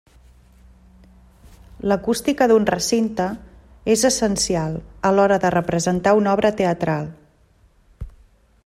L’acústica d’un recinte és essencial a l’hora de representar una obra teatral.